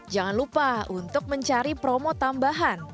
jangan lupa untuk mencari promo tambahan